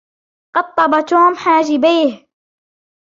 قطب توم حاجبيه.